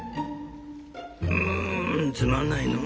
「ウつまんないの。